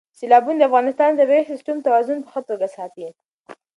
سیلابونه د افغانستان د طبعي سیسټم توازن په ښه توګه ساتي.